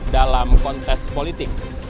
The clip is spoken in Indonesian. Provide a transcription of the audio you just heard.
dalam kontes politik